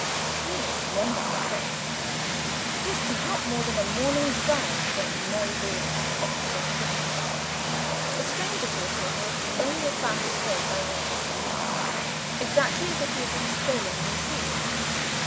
Truly a wonderful place! Distant not more than a morning's drive from noisy and populous Brighton a stranger to this neighborhood could only have found his way by the compass, exactly as if he had been sailing on the sea!